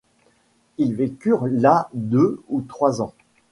Il vécurent là deux ou trois ans.